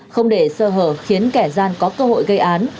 không để sơ hở khiến kẻ gian có cơ hội gây án